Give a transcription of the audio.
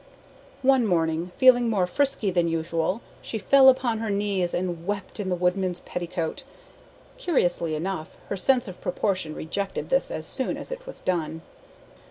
One morning, feeling more frisky than usual, she fell upon her knees and wept in the woodman's petticoat. Curiously enough, her sense of proportion rejected this as soon as it was done.